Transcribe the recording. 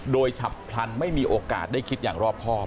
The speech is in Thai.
โดยฉับพลันไม่มีโอกาสได้คิดอย่างรอบครอบ